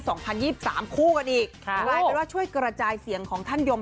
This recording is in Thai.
สามคู่กันอีกว่าช่วยกระจายเสียงของท่านยม